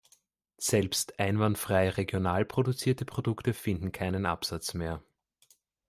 Selbst einwandfrei regional produzierte Produkte finden keinen Absatz mehr.